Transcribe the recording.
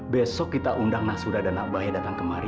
besok kita undang nasura dan nak bahaya datang kemari